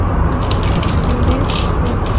তিনি Leeds United football ক্লাবের একনিষ্ঠ সমর্থক।